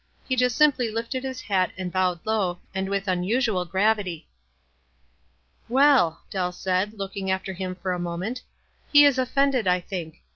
He just simply lifted his bat and bowed low, and with unusual gravity. "Well," Deli said, looking after him for a moment, "be is offended, I think.